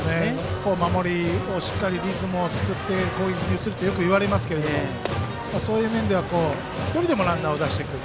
守りでしっかりリズムを作って攻撃に移るとよくいわれますけどそういう面では１人でもランナーを出していく。